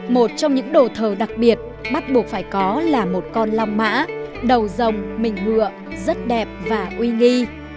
một trong những đồ thờ đặc biệt bắt buộc phải có là một con long mã đầu dòng mình ngựa rất đẹp và uy nghi